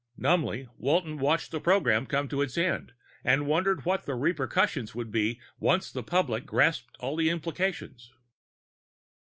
Numbly, Walton watched the program come to its end, and wondered what the repercussions would be once the public grasped all the implications.